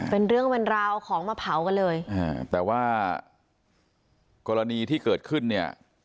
เป็นเรื่องเป็นราวเอาของมาเผากันเลยอ่าแต่ว่ากรณีที่เกิดขึ้นเนี่ย